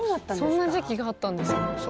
そんな時期があったんですね。